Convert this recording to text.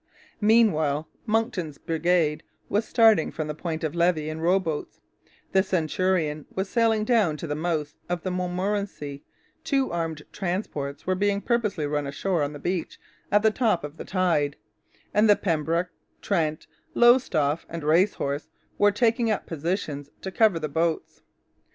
Meanwhile Monckton's brigade was starting from the Point of Levy in row boats, the Centurion was sailing down to the mouth of the Montmorency, two armed transports were being purposely run ashore on the beach at the top of the tide, and the Pembroke, Trent, Lowestoff, and Racehorse were taking up positions to cover the boats.